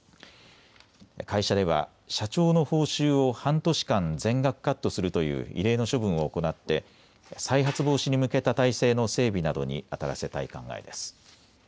会社では社長の報酬を半年間全額カットするという異例の処分を行って再発防止に向けた態勢の整備などにあたらせたい考えです。